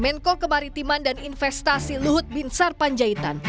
menko kemaritiman dan investasi luhut bin sarpanjaitan